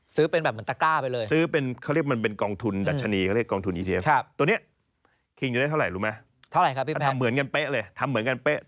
ซื้อเป็นแบบเหมือนตาก้าไปเลย